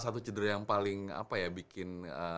satu cedera yang paling apa ya bikin